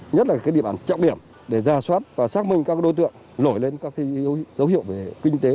nhất là địa bàn trọng điểm để ra soát và xác minh các đối tượng nổi lên các dấu hiệu về kinh tế